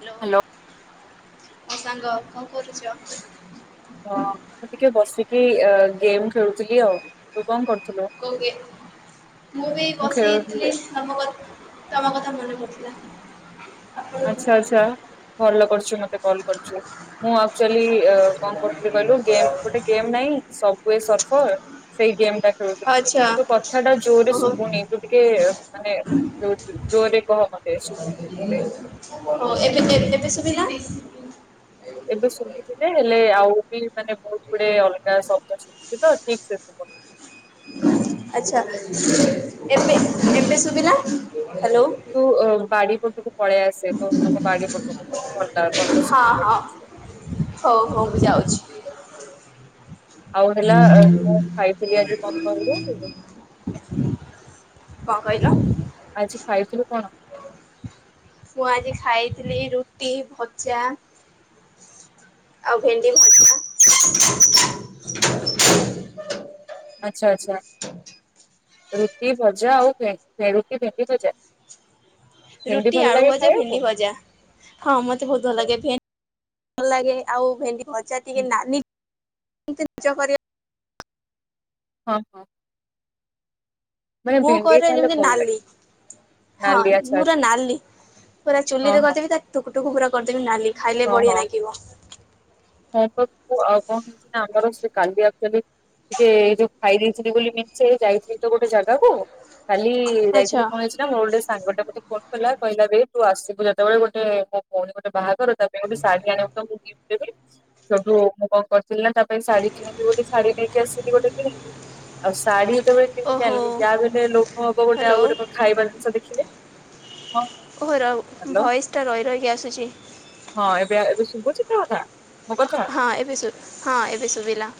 Hello! ମୋ ସାଙ୍ଗ କଣ କରୁଛ? ହଁ, ମୁଁ ଟିକେ ବସିକି ଗେମ୍ ଖେଳୁଥିଲି ଆଉ। ତୁ କଣ କରୁଥୁଲୁ? କଉ ଗେମ୍? ମୁଁ ବି ଖେଳୁଥିଲି ବସିଥିଲି। ତମ କଥ୍, ତମ କଥା ମନେ ପଡୁଥିଲା। ଆଚ୍ଛା, ଆଚ୍ଛା, ଭଲ କରୁଛୁ, ମତେ କଲ କରିଛୁ, ମୁଁ ଆକ୍ଚୁଆଲି କଣ କରୁଥିଲି କହିଲୁ? ଗେମ୍ ଗୋଟେ ଗେମ୍ ନାଇଁ ସବ୍ ୱେ ସଫର୍ ସେଇ ଗେମ୍ ଟା ଖେଳୁଥିଲି। ଆଚ୍ଛା ତୁ କଥା ଟା ଜୋରରେ ଓହୋ ଶୁଭୁନି ତୁ, ଟିକେ ମାନେ ଜୋର୍ ରେ କହ ମତେ ଶୁ ଓ ଏବେ ଏବେ ସୁଭିଲା। ଏବେ ଶୁଭୁଛି ଯେ ହେଲେ ଆଉ ବି ମାନେ ବହୁତ ଗୁଡେ ଅଲଗା ଶବ୍ଦ ସୁବ୍ ଶୁଭୁଚି ତ ଠିକ୍ ସେ କୁହ। ଆଚ୍ଛା ଏବେ ଏବେ ଶୁଭିଲା? ହ୍ୟାଲୋ। ତୁ ବାଡି ପଟକୁ ପଳେଇ ଆସେ ତ ତମ ବାଡି ପଟକୁ। ତତେ ଭଲ ଭଲ ହଁ ଶୁଣିବ ହଁ। ଠିକ ସେ। ହଉ ହଉ ମୁଁ ଯାଉଛି। ଆଉ ହେଲା ମୁଁ ଖାଇଥିଲି ଆଜି କଣ କହିଲୁ କଣ କହିଲ? ଆଜି ଖାଇଥିଲୁ କଣ? ମୁଁ ଆଜି ଖାଇଥିଲି ରୁଟି ଭଜା। ଆଉ ଭେଣ୍ଡି ଭଜା। ଆଚ୍ଛା ଆଚ୍ଛା ରୁଟି ଭଜା ଆଉ [unintelligible] ଭେଣ୍ଡି ଭଜା। ଭେଣ୍ଡି ରୁଟି ଭଲ ଆଳୁ ଲାଗେ ଭଜା ଖାଇବାକୁ? ଭେଣ୍ଡି ଭଜା। ହଁ ମତେ ବହୁତ ଭଲ ଲାଗେ ଭେଣ୍ଡି ଭଲ ଲାଗେ ଆଉ ଭେଣ୍ଡି ଭଜା ଟିକେ ନା ନି ଏମିତି ନିଜ କରିବା ହଁ ହଁ। ମାନେ ମୁଁ ଭେଣ୍ଡି କରେ ତାହେଲେ ଯେମିତି ଭଲ ଲାଗେ ନାଲି। ହଁ ନାଲି ଆଚ୍ଛା ପୁରା ଆଚ୍ଛା ନାଲି ପୁରା ହଁ ଚୁଲିରେ ହଁ କରିଦେବି ତା ଟୁକୁଟୁକୁ ପୁରା କରିଦେବି ନାଲି ଖାଇଲେ ହଁ ବଢିଆ ଲାଗିବ। ହଁ ପା ଆଉ କଣ ହେଇଚି ନା ଆମର ସେ କାଲି ଆକ୍ଚୁଆଲି ଟିକେ ଏଇ ଯଉ ଖାଇ ଦେଇଥିଲି ବୋଲି ମେଞ୍ଚେ ଯାଇଥିଲି ତ ଗୋଟେ ଜାଗାକୁ। କାଲି ଆଚ୍ଛା। ଯାଇଥିଲି କଣ ଏସ ମୋର ଗୋଟେ ସାଙ୍ଗଟା ମୋତେ ଫୋନ କଲା କହିଲା ଭ ତୁ ଆସିବୁ ଯେତେବେଳେ ଗୋଟେ ମୋ ଭଉଣି ଗୋଟେ ବାହାଘର ତା ପାଇଁ ଗୋଟେ ଶାଢୀ ଆଣିବୁତ ମୁଁ ଗିଫ୍ଟ ଦେବି। ସେଠୁ ମୁଁ କଣ କରିଥିଲି ନା ତା ପାଇଁ ଶାଢୀ କିଣିବି ବୋଲି ଶାଢୀ ନେଇକି ଆସିଲି ଗୋଟେ କିଣିକି। ଆଉ ଶାଢୀ ଯେତେବେଳେ କିଣିକି ଓହୋ ଆଣିଲି ଯାହାବି ହେଲେ ଲୋକ ହବ ଗୋଟେ ଆଉ ହ୍ୟାଲୋ ଗୋଟେ ଖାଇବା ଜିନିଷ ଦେଖିଲେ ହଁ ଓହ ରହୁ ହ୍ୟାଲୋ ଭଏସ୍ଟା ରହି ରହିକି ଆସୁଛି। ହଁ ଏବେ ଏବେ ଶୁଭଛି ତ କଥା ମୋ କଥା? ହଁ ଏବେ ସୁ ହଁ ଏବେ ଶୁଭିଲା।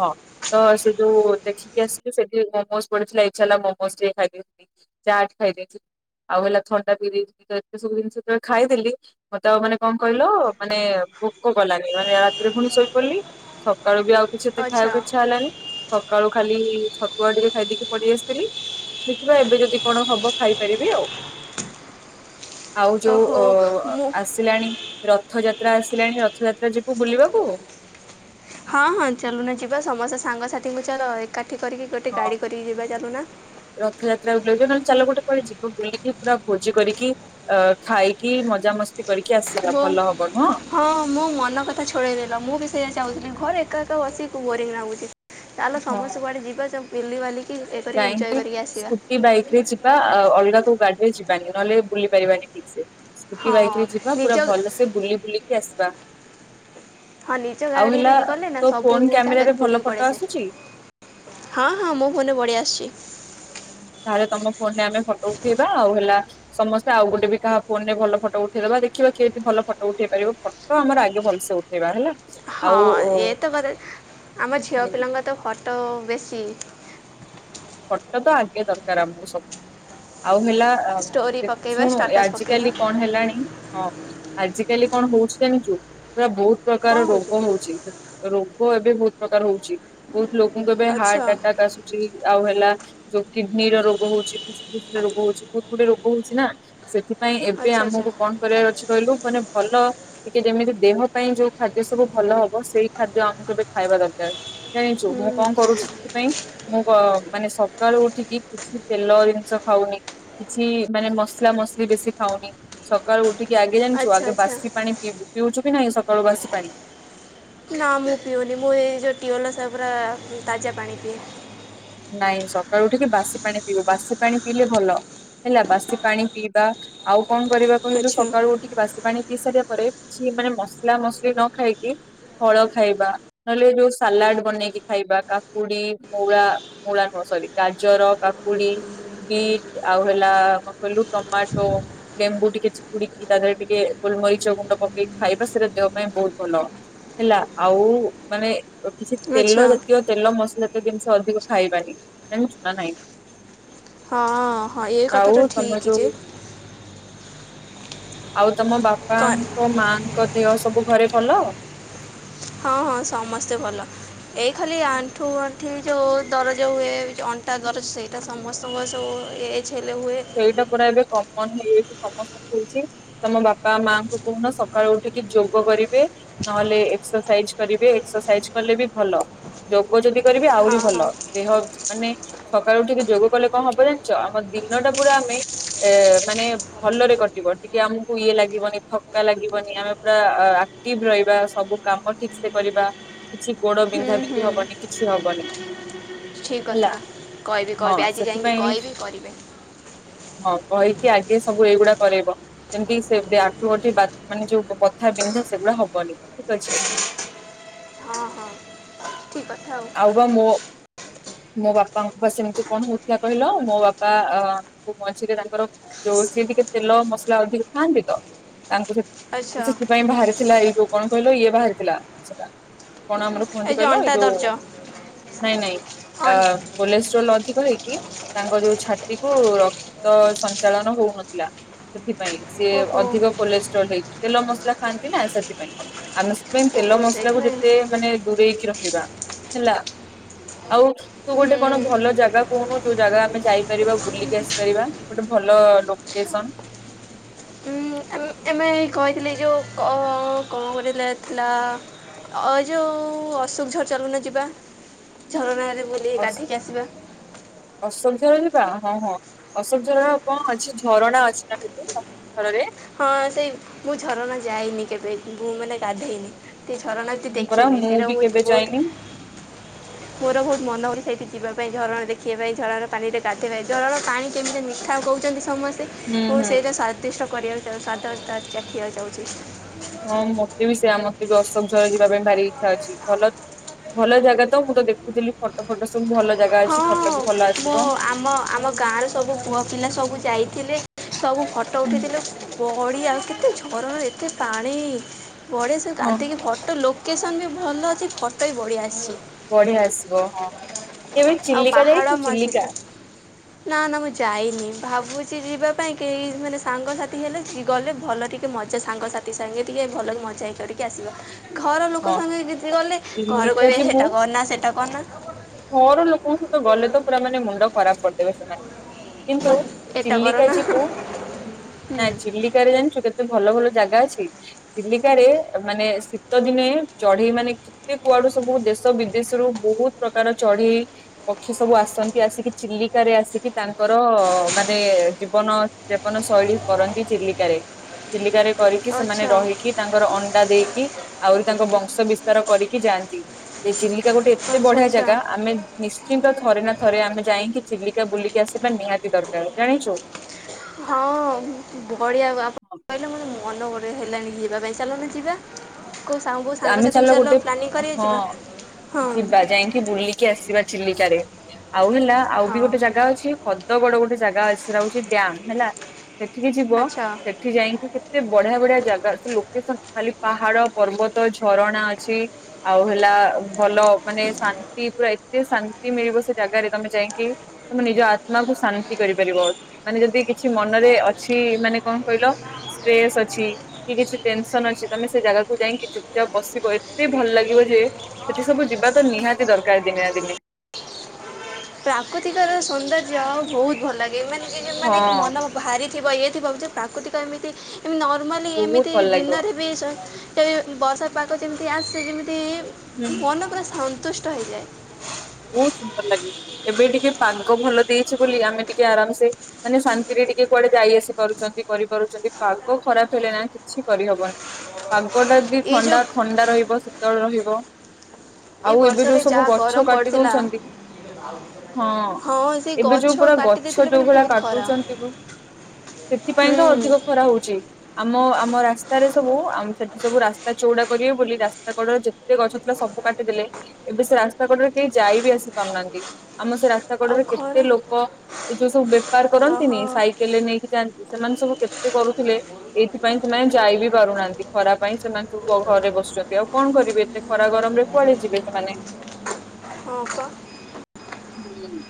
ହଁ ତ ସେ ଯୋଉ ଦେଖିକି ଆସିଲି ସେଠି ମୋମୋଜ ପଡିଥିଲା ଇଛା ହେଲା ମୋମୋଜ ଟିକେ ଖାଇଦିଅନ୍ତି। ଚାଟ ଖାଇଦେଇଥିଲି ଆଉ ହେଲା ଥଣ୍ଡା ପି ଦେଇଥିଲି ଏତେ ସବୁ ଜିନିଷ ଯେତେବେଳେ ଖାଇଦେଲି ମତେ ଆଉ ମାନେ କଣ କହିଲ ମାନେ ଭୋକ କଲାନି ମାନେ ରାତିରେ ପୁଣି ଶୋଇପଡିଲି। ସକାଳୁ ବି ଆଉ କିଛି ଏତେ ଆଚ୍ଛା ଖାଇବାକୁ ଇଚ୍ଛା ହେଲାନି। ସକାଳୁ ଖାଲି ଛତୁଆଟିକେ ଖାଇଦେଇକି ପଳେଇ ଆସିଥିଲି। ଦେଖିବା ଏବେ ଯଦି କଣ ହବ ଖାଇପାରିବି ଆଉ। ଆଉ ଯୋଉ ଓହୋ ଅ ମୁଁ ଆସିଲାଣି ରଥଯାତ୍ରା ଆସିଲାଣି ରଥଯାତ୍ରା ଯିବୁ ବୁଲିବାକୁ? ହଁ ହଁ ଚାଲୁନା ଯିବା ସମସ୍ତେ ସାଙ୍ଗସାଥିୀଙ୍କୁ ଚାଲ ଏକାଠି କରିକି ଗୋଟେ ହଁ ଗାଡି କରିକି ଯିବା ଚାଲୁନା। ରଥଯାତ୍ରା ବୁଲେଇଲେ ନହେଲେ ଚାଲ ଗୋଟେ କୁଆଡେ ଯିବ ବୁଲିକି ପୁରା ଭୋଜି କରିକି ଅ ଖାଇକି ମଜାମସ୍ତି କରିକି ଆସିବା ମୁଁ ଭଲ ହବ ନୁହଁ। ହଁ ମୁଁ ମନ କଥା ଛଡ଼େଇନେଲ। ମୁଁ ବି ସେଇଆ ଚାହୁଁଥିଲି ଘରେ ଏକା ଏକା ବସିକି ବୋରିଂ ଲାଗୁଛି। ଚାଲ ହଁ। ସମସ୍ତେ କୁଆଡ଼େ ଯିବା ସବୁ ବୁଲିି ବାଲିକି ଏ କରିକି ଏଞ୍ଜୟ କରିକି ଆସିବା। ବାଇକରେ ଯି ବା ଅଲଗା କୋଉ ଗାଡିରେ ଯିବାନି ନହେଲେ ବୁଲି ପାରିବାନି ଠିକ ସେ। ସ୍କୁଟି ହଁ ବାଇକରେ ଯିବା ନିଜ ପୁରା ଭଲସେ ବୁଲି ବୁଲିକି ଆସିବା। ହଁ ନିଜ ଆଉ ଗାଡିରେ ହେଲା ଗଲେ ନା ତୋ ସବୁ ଫୋନ କ୍ୟାମେରାରେ ଜାଗାରେ ଭଲ ବୁଲିକି ଫଟୋ ଆସୁଛି ପଳିଆସିବେ। ହଁ ହଁ ମୋ ଫୋନ୍ ରେ ବଡିଆସୁଚି। ତାହେଲେ ତମ ଫୋନ୍ ରେ ଆମେ ଫଟୋ ଉଠେଇବା ଆଉ ହେଲା ସମସ୍ତେ ଆଉ ଗୋଟେ ବି କାହା ଫୋନରେ ଭଲ ଫଟୋ ଉଠେଇଦବା ଦେଖିବା କିଏ ଜଦି ଭଲ ଫଟୋ ଉଠେଇ ପାରିବ ଫ ତ ଆମର ଆଗେ ଭଲସେ ଉଠେଇବା ହେଲା। ହଁ ଆଉ ଏଇତ କଥା ଆମ ଝିଅ ପିଲାଙ୍କର ତ ଫୋଟୋ ବେଶୀ। ଫୋଟୋ ତ ଆଗେ ଦରକାର ଆମକୁ ସବୁ ଆଉ ହେଲା ଆଉ ଷ୍ଟୋରି ଦେ ପକାଇବା ଶୁଣୁ ଷ୍ଟାଟସ୍ ପକାଇବା। ଆଜିକାଲି କଣ ହେଲାଣି? ହଁ ଆଜିକାଲି କଣ ହଉଛି ଜାଣିଛୁ ପୁରା ବୋହୁତ କଣ ପ୍ରକାର ହଉଛି? ରୋଗ ହଉଚି। ରୋଗ ଏବେ ବୋହୁତ ପ୍ରକାର ହଉଚି ବୋହୁତ ଲୋକଙ୍କୁ ଏବେ ଆଚ୍ଛା ହାର୍ଟ ଆଟାକ୍ ଆସୁଚି। ଆଉ ହେଲା ଯୋଉ କିଡିନୀ ର ରୋଗ ହୋଉଚି ଫୁସଫୁସ ରେ ରୋଗ ହୋଉଚି ବୋହୁତ ଗୁଡେ ରୋଗ ହୋଉଚି ନା। ସେଥିପାଇଁ ଏବେ ଆଚ୍ଛା ଆଚ୍ଛା ଆମକୁ କଣ କରିବାର ଅଛି କହିଲୁ ମାନେ ଭଲ ଟିକେ ଯେମିତି ଦେହ ପାଇଁ ଯୋଉ ଖାଦ୍ୟ ସବୁ ଭଲ ହବ ସେଇ ଖାଦ୍ୟ ଆମକୁ ଏବେ ଖାଇବା ଦରକାର। ଜାଣିଚୁ ହୁଁ ମୁଁ କଣ କରୁଚି ସେଥିପାଇଁ? ମୁଁ ମାନେ ସକାଳୁ ଉଠିକି କିଛି ତେଲ ଜିନିଷ ଖାଉନି। କିଛି ମାନେ ମସଲା ମସିଲି ବେଶୀ ଖାଉନି। ସକାଳୁ ଉଠିକି ଆଗେ ଜାଣିଚୁ ଆଚ୍ଛା ଆଗେ ଆଚ୍ଛା। ବାସି ପାଣିି ପିଇବୁ ପିଉଚୁ କି ନାହିଁ ସକାଳୁ ବାସି ପାଣି? ନା ମୁଁ ପିଉନି ମୁଁ ଏଇ ଯୋଉ ଟିଓଲ ସେ ପୁରା ତାଜା ପାଣି ପିଏ। ନାଇଁ ସକାଳୁ ଉଠିକି ବାସି ପାଣି ପିଇବେ ବାସି ପାଣି ପିଇଲେ ଭଲ। ହେଲା ବାସି ପାଣି ପିଇବା ଆଉ କଣ କରିବା କହିଲୁ ଆଚ୍ଛା ସକାଳୁ ଉଠି ଟିକେ ବାସି ପାଣି ପିଇ ସାରିବା ପରେ କିଛି ମାନେ ମସଲା ମସିଲି ନ ଖାଇକି ଫଳ ଖାଇବା ନହେଲେ ଯୋଉ ସାଲାଡ୍ ବନେଇକି ଖାଇବା କାକୁଡି, ମୂଳା। ମୁଳ ନୁହେଁ ସରି ଗାଜର, କାକୁଡି। ବିଟ୍ ଆଉ ହେଲା କଣ କହିଲୁ ଟମାଟୋ। ଲେମ୍ବୁ ଟିକେ ଚିପୁଡିକି ତା ଦେହରେ ଟିକେ ଗୋଲମରିଚ ଗୁଣ୍ଡ ପକେଇକି ଖାଇବା ସେଇଟା ଦେହ ପାଇଁ ବୋହୁତ ଭଲ। ହେଲା ଆଉ ମାନେ ଆଉ କିଛି ତେଲ ଆଚ୍ଛା ଜାତୀୟ ତେଲ ମସଲା ଜାତୀୟ ଜିନିଷ ଅଧିକ ଖାଇବାନି ଜାଣିଚୁ ନା ନାଇଁ? ହଁ ହଁ ଏ ଆଉ କଥାଟା ତମ ଠିକ୍ ଯେ। ଯୋଉ ଆଉ ତମ କଣ ବାପାଙ୍କ ମା। ତାଙ୍କ ଦେହ ସବୁ ଘରେ ଭଲ? ହଁ ହଁ ସମସ୍ତେ ଭଲ ଏଇ ଖାଲି ଆଣ୍ଠୁ ଗଣ୍ଠି ଯୋଉ ଦରଜ ହୁଏ। ଅଣ୍ଟା ଦରଜ ସେଇଟା ସମସ୍ତଙ୍କ ସବୁ ଏଜେ ହେଲେ ହୁଏ। ସେଇଟା ପୁରା ଏବେ କମନ୍ ହେଇଯାଇଚି ସମସ୍ତଙ୍କୁ ହୋଉଚି। ତମ ବାପା ମାଆଙ୍କୁ କହୁନ ସକାଳୁ ଉଠିକି ଯୋଗ କରିବେ। ନହେଲେ ଏକ୍ସରସାଇଜ୍ କରିବେ ଏକ୍ସରସାଇଜ୍ କଲେ ବି ଭଲ। ଯୋଗ ଯଦି କରିବେ ଆହୁରି ହଁ ଭଲ ହଁ ଦେହ ମାନେ ସକାଳୁ ଉଠିକି ଯୋଗ କଲେ କଣ ହବ ଜାଣିଚ ଆମ ଦିଇନ ଟା ପୁରା ଆମେ ଏ ମାନେ ଭଲରେ କଟିବ ଟିକେ ଆମକୁ ଇଏ ଲାଗିବନି ଥକା ଲାଗିବନି ଆମେ ପୁରା ଆ ଆ ଏକ୍ଟିଭି ରହିବା ସବୁ କାମ ଠିକ ସେ କରିବା। କିଛି ଗୋଡ ବିନ୍ଧା ହୁଁ ବିିନ୍ଧି ହୁଁ ହବନି କିଛି ହବନି। ଠିକ୍ ହେଲା କଥା କହିବି ହଁ କହିବି ଆଜି ଯାଇକି କହିବି କରିବେ। ହଉ କହିକି ଆଗେ ସବୁ ଏଇଗୁଡା କରେଇବ। ଯେମିତି ସେ ଆଣ୍ଠୁ ଗଣ୍ଠି ବାତ ମାନେ ଯୋଉ ବଥା ବିନ୍ଧା ସେଗୁଡ଼ା ହବନି ଠିକ ଅଛି। ହଁ ହଁ ଠିକ୍ ଆଉ ଥାଉ। ଆଉ ବା ମୋ ମୋ ବାପାଙ୍କୁ ପା ସେମିତି କଣ ହୋଉଥିଲା କହିଲ ମୋ ବାପା ଆଁ ମଝିରେ ତାଙ୍କର ଯୋଉ ସିଏ ଟିକେ ତେଲ ମସଲା ଅଧିକ ଖାଆନ୍ତିତ ତାଙ୍କୁ ସେ ଆଚ୍ଛା ସେଥିପାଇଁ ବାହାରିଥିଲା ଏଇ ଯୋଉ କଣ କହିଲ ଇଏ ବାହାରିଥିଲା ସେଟା କଣ ଆମର କୁହନ୍ତି ଯେଉଁ କହିଲ ଏଇ ଅଣ୍ଟା ଯୋଉ ଦରଜ ନାଇଁ ନାଇଁ ଅନ୍ କୋଲେଷ୍ଟ୍ରୋଲ ଅଧିକ ହେଇକି ତାଙ୍କ ଯୋଉ ଛାତିକୁ ରକ୍ତ ସଞ୍ଚାଳନ ହଉନଥିଲା। ସେଥିପାଇଁ ସିଏ ଓହୋ ଅଧିକ କୋଲେଷ୍ଟ୍ରଲ ହେଇକି ତେଲ ମସଲା ଖାଆନ୍ତିନା ସେଥିପାଇଁ। ଆମେ ସେଥିପାଇ ତେଲ ଓହୋ ମସଲାକୁ ଯେତେ ସେଇଥିପାଇଁ ମାନେ ଦୂରେଇକି ରହିବା ହେଲା। ଆଉ ତୁ ଗୋଟେ କଣ ହୁଁ ଭଲ ଜାଗା କହୁନୁ ଯୋଉ ଜାଗା ଆମେ ଯାଇପାରିବା ବୁଲିକି ଆସିପାରିବା। ଗୋଟେ ଭଲ ଲୋକେସନ୍। ହୁଁ ଆମେ ଆମେ କହିଥିଲି ଯୋଉ କ କଣ ଗୋଟେ ଜାଗା ଥିଲା। ଅ ଯୋଉ ଅଶୋକଝର ଚାଲୁନୁ ଯିବା ଝରଣାରେ ବୁଲିକି ଅଶ୍ ଗାଧେଇକି ଆସିବା। ଅଶୋକ ଝର ଯିବା ହଁ ହଁ। ଅଶୋକ ଝରରେ କଣ ଅଛି ଝରଣା ଅଛିନା ଖାଲି ଅଶୋକ ଝରରେ। ହଁ ସେଇ ମୁଁ ଝରଣା ଯାଇନି କେବେ ମୁଁ ମାନେ ଗାଧେଇନି। ଝରଣା ହଁ ପରା ଦେଖିନି ମୁଁ ସେଇଟା ବି ମୁ କେବେ ବହୁତ୍ ଯାଇନି [inaudible] ମୋର ବହୁତ୍ ମନ ହଉଚି ସେଇଠି ଯିବା ପାଇଁ ଝରଣାଦେଖିବା ପାଇଁ ଝରଣା ପାଣିରେ ଗାଧେଇ ଝରଣାର ପାଣି କେମିତି ମିଠା କହୁ ଛନ୍ତି ସମସ୍ତେ ହୁଁ ମୁଁ ହୁଁ। ସେଇଟା ସ୍ଵାଦିଷ୍ଟ କରିବାକୁ ଚାହୁଚି ସଵାଦ ଚା ଚାଖିବାକୁ ଯାଉଚି। ହଁ ମତେବି ସେଇୟା ମତେବି ଅଶୋକ ଝର ଯିବା ପାଇଁ ଭାରି ଇଚ୍ଛା ଅଛି ଭଲ ଭଲ ଜାଗାତ ମୁତ ଦେଖୁଥିଲି ଫଟୋ ଫଟ ସବୁ ଭଲ ଜାଗା ଅଛି ହଁ ଫଟୋବି ଭଲ ମୁଁ ଆସିବ। ଆମ ଆମ ଗାଁର ସବୁ ପୁଅ ପିଲା ସବୁ ଯାଇଥିଲେ ସବୁ ଫଟୋ ଉଠେଇଥିଲେ ବଢ଼ିଆ ଆଉ କେତେ ଝରଣା ଏତେ ପାଣି ବଢ଼ିଆ ହଁ ସେଗାଧେଇକି ହଁ ଫଟୋ ଲୋ ଲୋକେସନ୍ ବି ଭଲ ଅଛି ଫଟୋବି ବଢ଼ିଆ ଆସୁଚି। ବଢିଆ ଆସିବ ହଁ କେବେ ଆଉ ଚିଲିକା ପାହାଡ଼ ଯାଇଚୁ ମଝିରେ ଚିଲିକା? ନା ନା ମୁଁ ଯାଇନି ଭାବୁଚି ଯିବା ପାଇଁ କେହି ମାନେ ସାଙ୍ଗସାଥି ହେଲେ ଜି ଗଲେ ଭଲ ଟିକେ ମଜା ସାଙ୍ଗସାଥି ସାଙ୍ଗେ ଟିକେ ଭଲକି ମଜା ହେଇ କରିକି ଆସିବା। ଘର ଲୋକ ହଁ ସାଙ୍ଗେ କିଚି ଗଲେ ଘରେ ଚିଲିକା କହିବେ ଯିବୁ ହେଟା କରନା ସେଟା କରନା ଘର ଲୋକଙ୍କ ସହିତ ଗଲେତ ପୁରା ମାନେ ମୁଣ୍ଡ ଖରାପ୍ କରିଦେବେ ସେମାନେ କିନ୍ତୁ ଏଟା ଚିଲିକା କରନା ଯିବୁ ହୁଁ ନାଁ ଚିଲିକାରେ ଜାଣିଚୁ କେତେ ଭଲ ଭଲ ଜାଗା ଅଛି। ଚିଲିକାରେ ମାନେ ଶୀତ ଦିନେ ଚଢେଇ ମାନେ କେତେ କୁଆଡ଼ୁ ସବୁ ଦେଶ ବିଦେଶରୁୁ ବହୁତ୍ ପ୍ରକାର ଚଢେଇ ପକ୍ଷୀ ସବୁ ଆସନ୍ତି ଆସିକି ଚିଲିକାରେ ଆସିକି ତାଙ୍କର ମାନେ ଜୀବନ ଜାପନ ଶୈଳୀ କରନ୍ତି ଚିଲିକାରେ ଚିଲିକାରେ କରିକି ସେମାନେ ଆଚ୍ଛା ରହିକି ତାଙ୍କର ଅଣ୍ଡା ଦେଇକି ଆହୁରି ତାଙ୍କ ବଂଶ ବିସ୍ତାର କରିକି ଯାଆନ୍ତି ସେଚିଲିକା ଗୋଟେ ଏତେ ଆଚ୍ଛା ବଢ଼ିଆ ଆଚ୍ଛା ଆମେ ନିଶ୍ଚିନ୍ତ ଥରେ ନାଥରେ ଆମେ ଯାଇକି ଚିଲିକା ବୁଲିକି ଆସିବା ନିହାତି ଦରକାର୍ ଜାଣିଚୁ। ହଁ ବଢ଼ିଆ ଆପଣ ହଁ କହିଲେ ମୋର ମାନେ ବୋରେଇ ହେଲାଣିି ଯିବା ପାଇଁ ଚାଲୁନୁ ଯିବା। କୋଉ ସାଙ୍ଗୋଉ ଆମେ ସାଙ୍ଗସାଥିକି ଚାଲ ଗୋଟେ ପ୍ଲାନିଂ କରି ହଁ ଯିବା ହଁ। ଯିବା ଯାଇକି ବୁଲିକି ଆସିବା ଚିଲିକାରେ ଆଉ ହେଲା ଆଉବି ହଁ ଗୋଟେ ଜାଗା ଅଛି। ହଦଗୋଡ଼ ଗୋଟେ ଜାଗା ଅଛି ସେଟା ହଉଚି ଡ୍ୟାମ ହେଲା ସେଠିକି ଯିବ ଆଚ୍ଛା ସେଠି ଯାଇକି କେତେ ବଢ଼ିଆ ବଢ଼ିଆ ଜାଗା ସେଲୋକେସନ୍ ଖାଲି ପାହାଡ଼ ପର୍ବତ ଝରଣା ଅଛି। ଆଉ ହେଲା ଭଲ ମାନେ ସା ନ୍ତି ପୁରା ଏତେ ଶାନ୍ତି ମିଳିବ ସେଜାଗାରେ ତମେ ଯାଇକି ତୁମେ ନିଜ ଆତ୍ମାକୁୁ ଶାନ୍ତି କରିପାରିବ। ମାନେ ଯଦି କିଛି ମନରେ ଅଛି ମାନେ କଁ କହିଲ। ସ୍ପେସ୍ ଅଛି କି କିଛି ଟେନସନ ଅଛି ତମେ ସେ ଜାଗାକୁ ଯାଇଁ କି ଚୁପ୍। ଯାଅ ବସିବ। ଏତେ ଭଲ ଲାଗିବ ଯେ ସେଠି ସବୁ ଯିବା ତ ନିହାତି ଦରକାର ଦିନେ ନା ଦିନେ। ପ୍ରାକୃତିକର ସୌନ୍ଦର୍ଯ୍ୟ ବହୁତ ଭଲ ଲାଗେ ମାନେ କି ହଁ ମାନେ କି ମନ। ଭାରିଥିବ ଇଏ ଥିବ ଯେ ପ୍ରାକୃତିକ ଏମିତି ଏମିତି ନର୍ମାଲି ବହୁତ ଏମିତି ଭଲ ଲାଗିବ। ଦିନରେ। ସେ ଯୋଉ ବର୍ଷା ପାଗ ଯେମିତି ଆସେ ଯେମିତି। ହୁଁ ମନ ପୁରା ସନ୍ତୁଷ୍ଟ ହେଇଯାଏ। ବହୁତ ସୁନ୍ଦର ଲାଗେ। ଏବେ ଟିକେ ପାଗ ଭଲ ଦେଇଛି ବୋଲି ଆମେ ଟିକେ ଆରାମ ସେ। ମାନେ ଶାନ୍ତିରେ ଟିକେ କୁଆଡେ ଯାଇ ଆସି ପାରୁଛନ୍ତି ‌କରି ପାରୁଛନ୍ତି ପାଗ ଖରାପ ହେଲେ ନା। କିଛି କରିହବନି ପାଗ ଟା ଯଦି ଏଇ ଯେଉଁ ଥଣ୍ଡା ଥଣ୍ଡା ରହିବ ଶୀତଳ ରହିବ। ଏ ଆଉ ଏବେ ଯୋଉ ବର୍ଷରେ ସବୁ ଯାହା ଗଛ ଗରମ କାଟି ପଡ଼ିଥିଲା ଦଉଛନ୍ତି। ହଁ ସେ ଏବେ ଯୋଉ ଗଛ ପୁରା କାଟି ଗଛ ଦେଇଥିଲେ ଯୋଉ ମାନେ ଭଳିଆ ବହୁତ ଖରା କାଟୁଛନ୍ତି। ସେଥିପାଇଁ ତ ହୁଁ ଅଧିକ ଖରା ହଉଛି। ଆମ ଆମ ରାସ୍ତାରେ ସବୁ ଆମ ସେଠି ସବୁ ରାସ୍ତା ଚଉଡା କରିବେ ବୋଲି ରାସ୍ତା କଡରେ ଯେ ତେ ଗଛ ଥିଲା ସବୁ କାଟିଦେଲେ ଏବେ ସେ ରାସ୍ତା କଡରେ। କେଇ ଯାଇ ବି ଆସି ପାରୁନାହାନ୍ତି। ଆମ ସେ ରାସ୍ତା ଆଉ କଡରେ କେତେ ଖରା ଲୋକ ଏ ଯୋଉ ସବୁ ବେ ପାର୍ ଓହୋ କରନ୍ତିନି ସାଇକେଲ ରେ ନେଇକି ଯାଆନ୍ତି ସେମାନେ ସବୁ କେତେ କରୁଥିଲେ। ଏଇଥିପାଇଁ ସେମାନେ ଯାଇ ବିି ପାରୁନାହାନ୍ତି ଖରା ପାଇଁ ସେମାନେ ସବୁ ଘ ଘରେ ବସୁଛନ୍ତି ଆଉ କଣ କରିବେ। ଏତେ ଖରା ଗରମ ରେ କୁଆଡେ ଯିବେ ସେମାନେ। ହଁ ପା। ହୁଁ।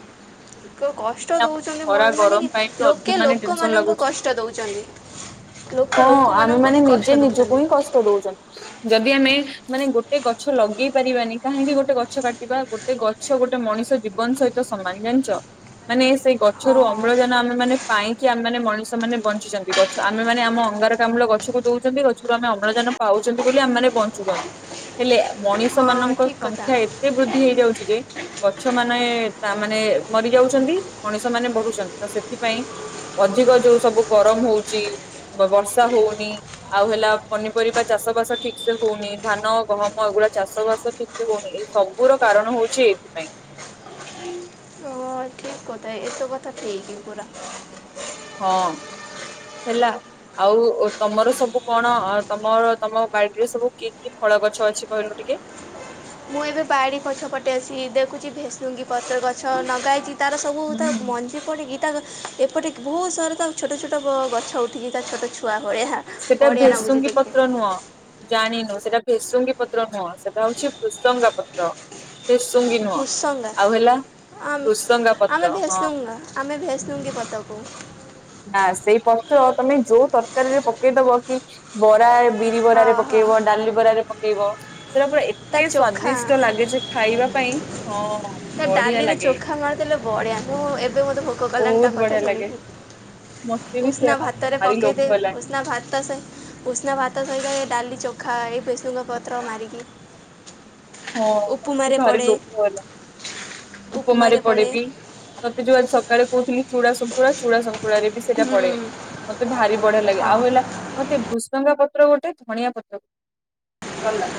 କେଉଁ କଷ୍ଟ ଦଉଛନ୍ତି ଖରା ମଣି ମାନେ ଗରମ କି ପାଇଁ ବି ଅଧିକ ଲୋକେ ମାନେ ଟେନସନ ଲୋକମାନଙ୍କୁ ଲାଗୁଛି। କଷ୍ଟ ଦଉଛନ୍ତି। ଲୋକ ହଁ ଆମେ ଲୋକମାନଙ୍କୁ ମାନେ ହିଁ ନିଜେ କଷ୍ଟ ନିଜକୁ ଦଉଛନ୍ତି। ହିଁ କଷ୍ଟ ଦଉଛନ୍ତି ଯଦି ଆମେ ମାନେ ଗୋଟେ ଗଛ ଲଗେଇ ପାରିବାନି କାହିଁକି ଗୋଟେ ଗଛ କାଟିବା। ଗୋଟେ ଗଛ ଗୋଟେ ମଣିଷ ଜୀବନ ସହିତ ସମାନ ଜାଣିଚ। ମାନେ ସେଇ ହଁ ଗଛରୁ ଅମ୍ଳଜାନ ଆମେ ମାନେ ପାଇକି ଆମେ ମାନେ ମଣିଷ ମାନେ ବଞ୍ଚିଛନ୍ତି। ଆମେ ମାନେ ଆମ ଅଙ୍ଗାରକାମ୍ଲ ଗଛକୁ ଦଉଛନ୍ତି ଗଛରୁ ଆମେ ଅମ୍ଳଜାନ ପାଉଛନ୍ତି ବୋଲି ଆମେମାନେ ବଞ୍ଚୁଛନ୍ତି। ହେଲେ ମଣିଷ ହଁ ମାନଙ୍କ ଙ୍କର ଠିକ୍ କଥା ସଂଖ୍ୟା ଏତେ ବୃଦ୍ଧି ହେଇ ଯାଉଛି ଯେ ଗଛ ମାନେ ତା ମାନେ ମରି ଯାଉଛନ୍ତି। ମଣିଷ ମାନେ ବଢୁଛନ୍ତି ତ ସେଥିପାଇଁ ଅଧିକ ଯୋଉ ସବୁ ଗରମ ହଉଛି। ବ ବର୍ଷା ହଉନି। ଆଉ ହେଲା ପନିପରିବା ଚାଷ ବାସ ଠିକ ସେ ହଉନି ଧାନ ଗହମ ଏଗୁଡା ଚାଷ ବାସ ଠିକ। ସେ ହଉ ନିଏଇ ସବୁର କାରଣ ହଉଛି ଏଇଥିପାଇଁ। ହଁ ଠିକ କଥା ଏ। ଏଇତ କଥା ଠିକ ପୁରା। ହଁ ହେଲା। ଆଉ ତମର ସବୁ କଣ ଅ ତମର ତମ ବାଡିରେ ସବୁ କି କି ଫଳ ଗଛ ଅଛି କହିଲୁ ଟିକେ। ମୁଁ ଏବେ ବାଡ଼ି ପଛ ପଟେ ଅଛି ଦେଖୁଛି ଭେସୁଙ୍ଗୀ ପତ୍ର ଗଛ ଲଗା ହେଇଛି ତାର ସବୁ ହୁଁ ତା ମଞ୍ଜି। ହୁଁ। ମଞ୍ଜି ପଡିକି ତା ଗ ଏପଟେ ବହୁତ ସାରା ତା ଛୋଟ ଛୋଟ ଗ ଗଛ ଉଠିଚି ତା ଛୋଟ ଛୁଆ ଭଳିଆ। ସେଟା ବଢ଼ିଆ ଲାଗୁଛି ଭେସୁଙ୍ଗୀ ଦେଖି ପତ୍ର ନୁହଁ। ଜାଣିନୁ ସେଟା ଭେସୁଙ୍ଗୀ ପତ୍ର ନୁହଁ ସେଟା ହଉଛି ଭୃସଙ୍ଗା ପତ୍ର। ଭେସୁଙ୍ଗୀ ନୁହଁ ଆଉ ହେଲା। ଆମ୍ ଭୃସଙ୍ଗା ପତ୍ର ଆମେ ହଁ ଭେସୁଙ୍ଗା ଆମେ ଭେସୁଙ୍ଗୀ ପତ୍ର କହୁ। ନା ସେଇ ପତ୍ର ତମେ ଯୋଉ ତରକାରୀରେ ପକେଇଦବ କି। ବରା ଏ ବିରି ହଁ ବରାରେ ହଁ ପକେଇବ ଡାଲି ବରାରେ ପକେଇବ ସେଟା ପୁରା ଏତେ ତା ଏତେ ଚୋଖା ସ୍ଵାଦିଷ୍ଟ ଲାଗେ ଯେ ଖାଇବା ପାଇଁ ହଁ ବଢିଆ ଲାଗେ। ହେଲେ ବଢିଆ ମୁଁ ଏବେ ମୋତେ ଭୋକ କଲାଣି ତା ବହୁତ କଥା ବଢିଆ ଲାଗେ ଶୁଣିକି? ମତେ ବି ସେଇଆ ଉଷୁନା ପା ମତେ ଭାତରେ ଭାରି ପକେଇ ଲୋଭ ଦେ ହେଲାଣି ଉଷୁନା ଭାତ ସେ ଉଷୁନା ଭାତ ସହିତ ଏ ଡାଲି ଚୋଖା ଏ ଭେସୁଙ୍ଗ ପତ୍ର ମାରିକି। ହଁ ମତେ ଉପମାରେ ଭାରି ପଡ଼େ ଲୋଭ ହେଲା ଉପମାରେ ପଡେ ବିି। ତତେ ଯୋଉ ଆଜି ସକାଳେ କହୁଥିଲି ଚୁଡା ଶଙ୍କୁୁଳା ଚୁଡ଼ା ଶଙ୍କୁୁଳାରେ ସେଟା ପଡେ ମତେ ଭାରି ବଢିଆ ଲାଗେ ଆଉ ହଁ ହେଲା ମତେ ଭୃସଙ୍ଗ ପତ୍ର ଗୋଟେ ଧଣିଆ ପତ୍ର ସରିଲା।